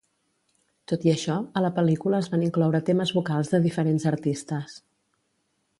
Tot i això, a la pel·lícula es van incloure temes vocals de diferents artistes.